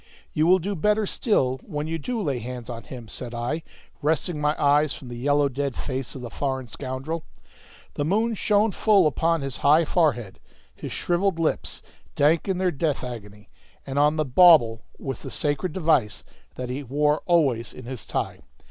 "You will do better still when you do lay hands on him," said I, wresting my eyes from the yellow dead face of the foreign scoundrel. The moon shone full upon his high forehead, his shrivelled lips, dank in their death agony, and on the bauble with the sacred device that he wore always in his tie.